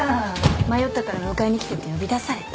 迷ったから迎えに来てって呼び出されて。